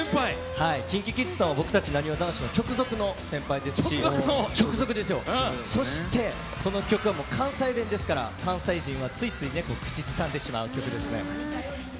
ＫｉｎＫｉＫｉｄｓさんは僕たち、なにわ男子の直属の先輩ですしそして、この曲は関西弁ですから関西人はついつい口ずさみます。